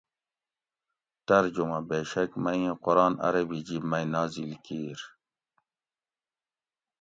"ترجمہ ""بیشک مئی ایں قرآن عربی جِب مئی نازل کیر"